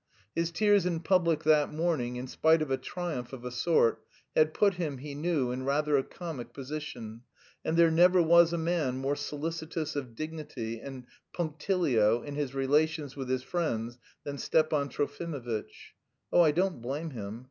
His tears in public that morning, in spite of a triumph of a sort, had put him, he knew, in rather a comic position, and there never was a man more solicitous of dignity and punctilio in his relations with his friends than Stepan Trofimovitch. Oh, I don't blame him.